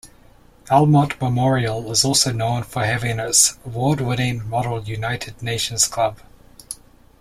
Elmont Memorial is also known for having its award-winning Model United Nations club.